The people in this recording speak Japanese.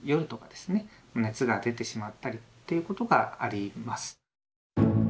熱が出てしまったりということがあります。